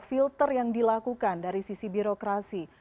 filter yang dilakukan dari sisi birokrasi